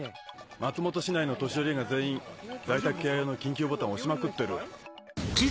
松本市内の年寄りが全員在宅ケア用の緊急ボタンを押しまくってる。